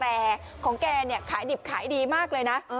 แต่ของแกเนี่ยขายดิบขายดีมากเลยนะ